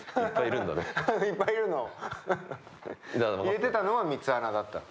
いれてたのは３つ穴だったの。